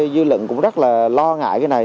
dư lận cũng rất là lo ngại